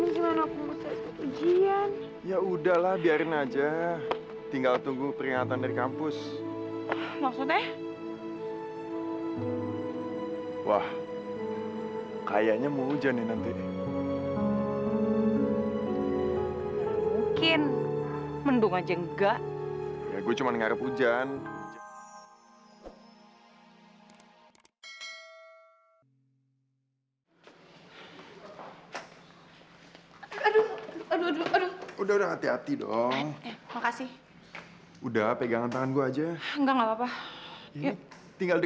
sampai jumpa di video selanjutnya